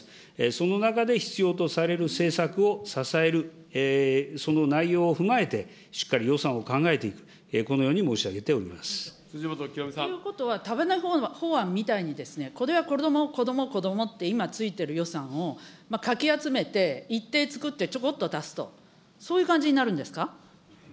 その中で必要とされる政策を支える、その内容を踏まえて、しっかり予算を考えていく、このように申し上げております。ということは、束ね法案みたいにこれはこども、こどもって、今ついてる予算をかき集めて一定つくってちょこっと足すと、そういう感じになるんですか。